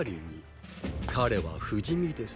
彼は不死身です。